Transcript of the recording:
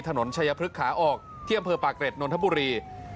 ถนนชายพฤกษาออกที่อำเภอปากเกร็ดนนทบุรี